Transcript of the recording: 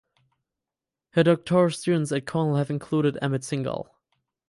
Her doctoral students at Cornell have included Amit Singhal.